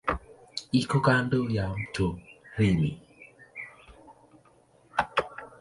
Iko kando ya mto Rhine.